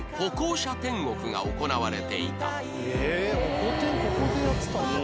ホコ天ここでやってたんだ」